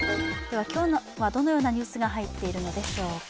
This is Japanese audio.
今日はどのようなニュースが入っているのでしょうか。